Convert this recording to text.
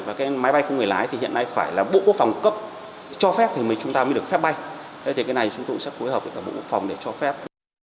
và cái máy bay không người lái thì hiện nay phải là bộ quốc phòng cấp cho phép thì chúng ta mới được phép bay thế thì cái này chúng tôi cũng sẽ phối hợp với cả bộ quốc phòng để cho phép